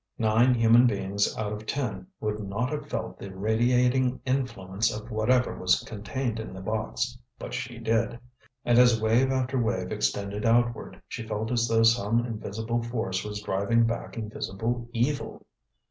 Nine human beings out of ten would not have felt the radiating influence of whatever was contained in the box, but she did. And as wave after wave extended outward, she felt as though some invisible force was driving back invisible evil.